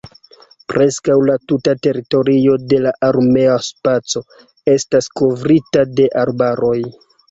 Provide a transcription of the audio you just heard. Preskaŭ la tuta teritorio de la armea spaco estas kovrita de arbaroj.